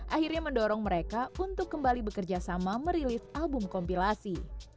akhirnya mendorong mereka untuk kembali bekerja sama merilis album kompilasi